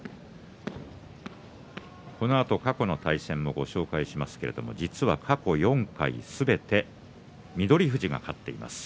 このあと過去の対戦をご紹介しますけれども実は、過去４回すべて翠富士が勝っています。